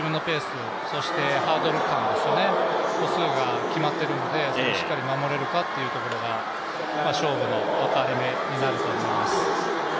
自分のペース、そしてハードルへの歩数が決まっているのでしっかり守れるかどうかというのが勝負の分かれ目になると思います。